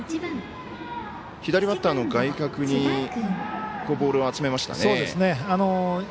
左バッターの外角にボールを集めましたね。